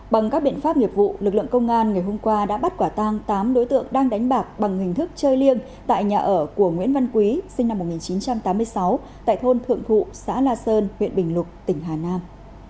bằng các biện pháp nghiệp vụ lực lượng công an ngày hôm qua đã bắt quả tang tám đối tượng đang đánh bạc bằng hình thức chơi liêng tại nhà ở của nguyễn văn quý sinh năm một nghìn chín trăm tám mươi sáu tại thôn thượng thụ xã la sơn huyện bình lục tỉnh hà nam